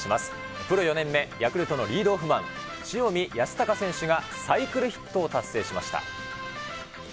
プロ４年目、ヤクルトのリードオフマン、塩見泰隆選手がサイクルヒットを達成しました。